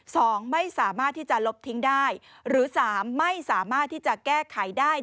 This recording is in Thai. สองไม่สามารถที่จะลบทิ้งได้หรือสามไม่สามารถที่จะแก้ไขได้